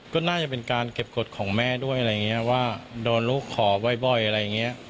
ก็น่าจะเป็นการเก็บกฎของแม่ด้วยว่าโดนลูกขอบ่อยอะไรอย่างนี้